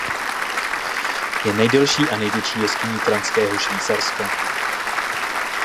Je nejdelší a největší jeskyní Franského Švýcarska.